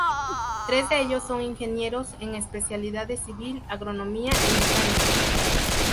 Tres de ellos son ingenieros, en especialidades civil, agronomía y mecánica.